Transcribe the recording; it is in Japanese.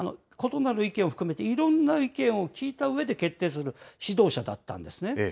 異なる意見を含めて、いろんな意見を聞いたうえで決定する指導者だったんですね。